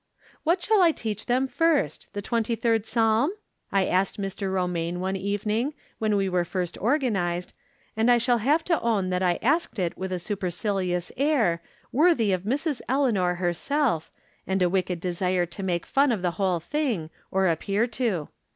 " What shall I teach them first ? The Twenty third Psalm ?" I asked Mr. Romaine one even ing "^vheii we were first organized, and I shall have to own that I asked it with a supercilious air, worthy of Mrs. Eleanor herseK, and a wicked desire to make fun of the whole thing, or appear to.